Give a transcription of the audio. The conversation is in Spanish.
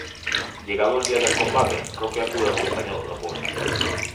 Llegado el día del combate, Rocky acude acompañado de Apollo.